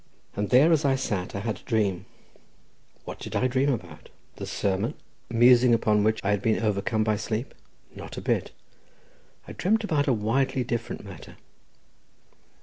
And there as I sat I had a dream—what did I dream about? the sermon, musing upon which I had been overcome by sleep? not a bit! I dreamt about a widely different matter.